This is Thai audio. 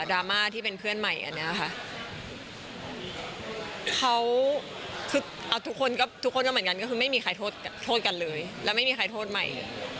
ราม่าที่เป็นเพื่อนใหม่อันนี้ค่ะเขาคือทุกคนก็ทุกคนก็เหมือนกันก็คือไม่มีใครโทษกันเลยแล้วไม่มีใครโทษใหม่